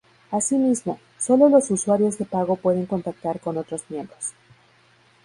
Asimismo, sólo los usuarios de pago pueden contactar con otros miembros.